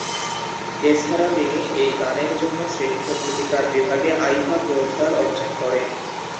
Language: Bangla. এছাড়া তিনি এই গানের জন্য শ্রেষ্ঠ গীতিকার বিভাগে আইফা পুরস্কার অর্জন করেন।